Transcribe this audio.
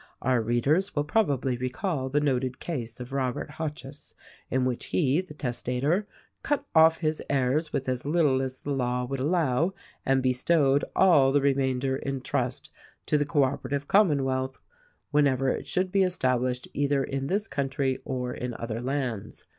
"Our readers will probably recall the noted case of Robert Hotchiss, in which he, the testator, cut off his heirs with as little as the law would allow and bestowed all the remainder in trust to the Co operative Commonwealth when ever it should be established either in this country or in other lands.